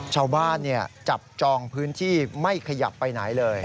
ชาวบ้านเนี่ยจับจองพื้นที่ไม่ขยับไปไหนเลย